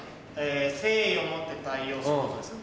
誠意を持って対応することですか？